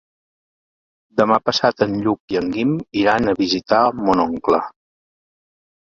Demà passat en Lluc i en Guim iran a visitar mon oncle.